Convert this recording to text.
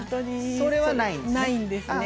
それはないんですね？